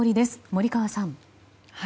森川さん。